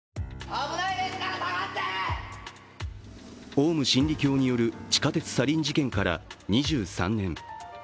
オウム真理教による地下鉄サリン事件から２３年。